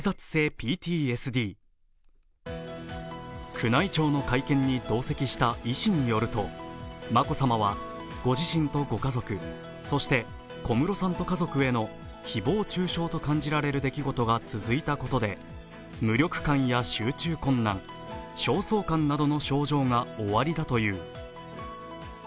宮内庁の会見に同席した医師によると眞子さまはご自身とご家族、そして小室さんと家族への誹謗中傷と感じられる出来事が続いたことで、無力感や集中困難、焦燥感などの症状がおありだという。